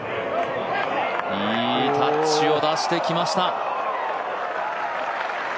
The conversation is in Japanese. いいタッチを出してきました。